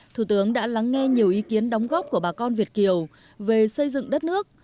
thủ tướng đã lắng nghe nhiều ý kiến đóng góp của bà con việt kiều về xây dựng đất nước